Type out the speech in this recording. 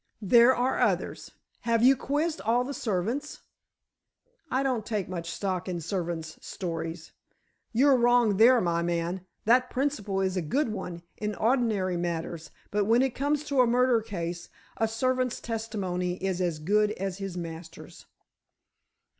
"There are others. Have you quizzed all the servants?" "I don't take much stock in servants' stories." "You're wrong there, my man. That principle is a good one in ordinary matters, but when it comes to a murder case, a servant's testimony is as good as his master's."